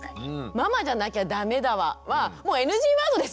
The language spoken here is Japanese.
「ママじゃなきゃダメだわ」はもうＮＧワードですよね。